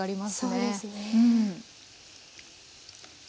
そうですね。